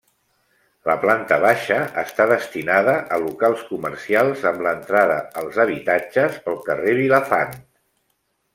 La planta baixa està destinada a locals comercials amb l'entrada als habitatges pel carrer Vilafant.